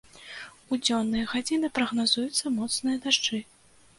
У дзённыя гадзіны прагназуюцца моцныя дажджы.